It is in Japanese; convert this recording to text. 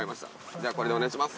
じゃあこれでお願いします。